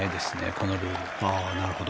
このルール。